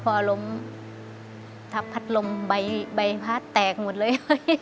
พอลมผลักพัดลมใบพึ้งแตกหมดเลย